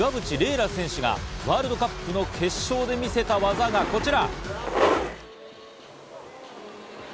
楽選手がワールドカップの決勝で見せた技がこちら。